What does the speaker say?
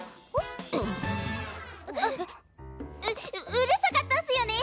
ううるさかったっすよね！